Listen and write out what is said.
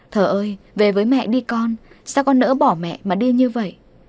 thờ ơi về với mẹ đi con sao con đỡ bỏ mẹ mà đi như vậy